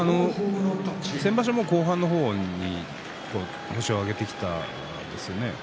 先場所後半の方に星を挙げてきたんですね。